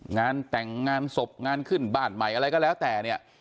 งานแต่งงานศพงานขึ้นบ้านใหม่อะไรก็แล้วแต่เนี่ย